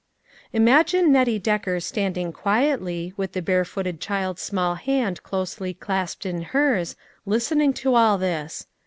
Imagine Nettie Decker standing quietly, with the barefooted child's small hand closely clasped in hers, listening to all this